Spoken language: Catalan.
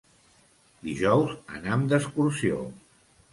Dijous anam d'excursió.